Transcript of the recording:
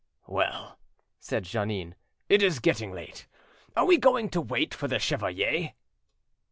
"Well," said Jeannin, "it is getting late. Are we going to wait for the chevalier?"